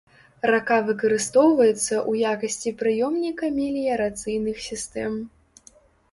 Рака выкарыстоўваецца ў якасці прыёмніка меліярацыйных сістэм.